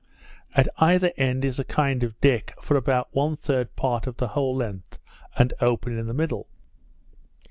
At each end is a kind of deck, for about one third part of the whole length, and open in the middle.